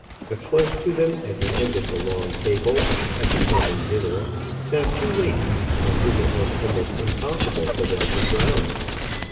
But close to them, at the end of the long table, at the common dinner, sat two ladies, on whom it was almost impossible for them to frown.